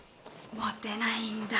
モテないんだ。